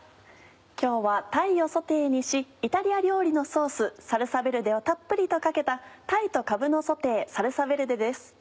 今日は鯛をソテーにしイタリア料理のソースサルサヴェルデをたっぷりとかけた「鯛とかぶのソテーサルサヴェルデ」です。